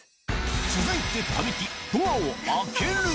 続いて神木、ドアを開ける。